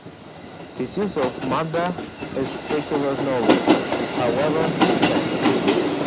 This use of "Madda" as "secular knowledge" is, however, recent.